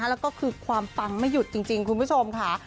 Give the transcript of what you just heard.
แล้วก็คือความปังไม่หยุดจริงคุณผู้ชมค่ะ